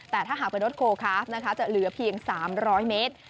แต่ถ้าหาประโยชน์โคลจะเหลือเพียง๓๐๐เมตร